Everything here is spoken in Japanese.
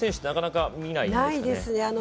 なかなか見ないですね。